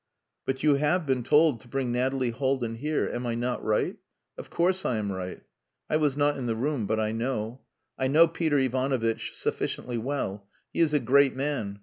"But you have been told to bring Nathalie Haldin here. Am I not right? Of course I am right. I was not in the room, but I know. I know Peter Ivanovitch sufficiently well. He is a great man.